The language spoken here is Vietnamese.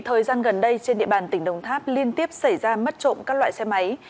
hôm nay trên địa bàn tỉnh đồng tháp liên tiếp xảy ra mất trộm các loại xe máy